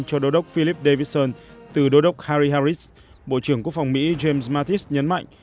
cho đô đốc philip davidson từ đô đốc harry harris bộ trưởng quốc phòng mỹ james mattis nhấn mạnh